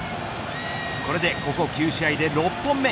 これでここ９試合で６本目。